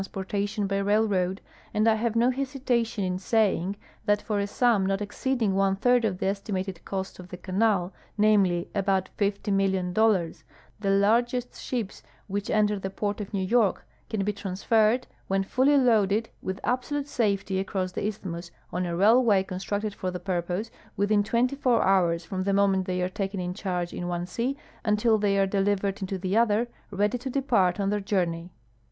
s ])ortation by railroad, and I have no hesitation in saying that for a sum not e.xceeding one third of the estimated cost of the canal, namely, about $.■>0,000,000, the largest ships which enter the port of New York can be transferred, when fully loaded, Avith absolute safety across the isthmus, on a railway constructed for the purpose, within twenty four hours from the moment they are taken in charge in one sea until they are delivered into the other, ready to depart on their journev."